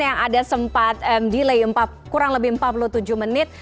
yang ada sempat delay kurang lebih empat puluh tujuh menit